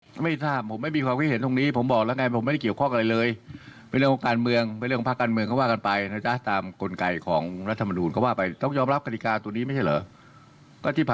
ก็ว่าไปต้องยอมรับกฎิกาตัวนี้ไม่ใช่เหรอก็ที่ผ่านมามันก็รัฐธรรมนูญสำหรับนี้แหละ